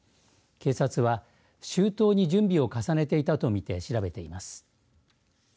警察は周到に準備を重ねていたと見て調べています。